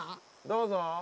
どうぞ。